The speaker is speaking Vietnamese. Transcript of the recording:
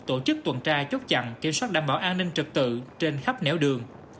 tổ chức tuần tra chốt chặn kiểm soát đảm bảo an ninh trật tự trên khắp nẻo đường